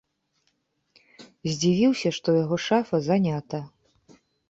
Здзівіўся, што яго шафа занята.